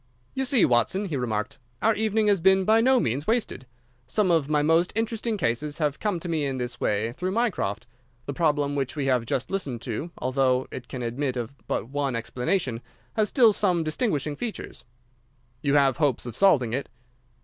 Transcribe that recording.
"You see, Watson," he remarked, "our evening has been by no means wasted. Some of my most interesting cases have come to me in this way through Mycroft. The problem which we have just listened to, although it can admit of but one explanation, has still some distinguishing features." "You have hopes of solving it?"